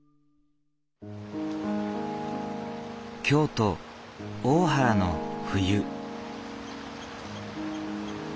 京都・大原の冬。